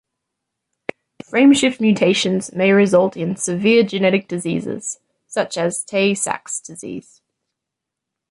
Frameshift mutations may result in severe genetic diseases such as Tay-Sachs disease.